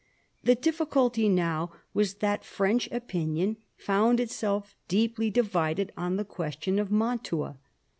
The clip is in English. The difficulty now was that French opinion found itself deeply divided on the question of Mantua.